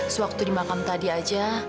sewaktu di makam tadi aja